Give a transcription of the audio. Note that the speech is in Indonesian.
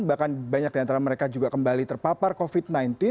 bahkan banyak di antara mereka juga kembali terpapar covid sembilan belas